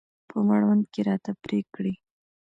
په مړوند کې راته پرې کړي.